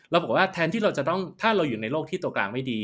ปรากฏว่าแทนที่เราจะต้องถ้าเราอยู่ในโลกที่ตัวกลางไม่ดี